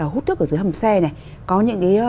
hút thuốc ở dưới hầm xe này có những cái